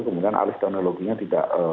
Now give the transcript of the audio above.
kemudian alif teknologinya tidak